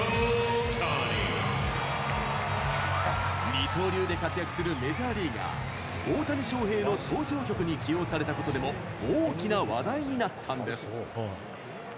二刀流で活躍するメジャーリーガー、大谷翔平の登場曲に起用されたことでも大きな話題になったんです。